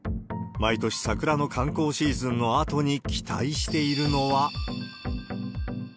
毎年桜の観光シーズンのあとに期待しているのは。